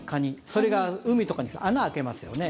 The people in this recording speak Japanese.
それが海とかに穴を開けますよね。